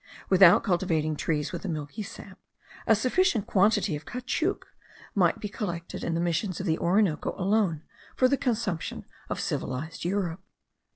Without cultivating trees with a milky sap, a sufficient quantity of caoutchouc might be collected in the missions of the Orinoco alone for the consumption of civilized Europe.